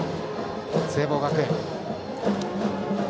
聖望学園。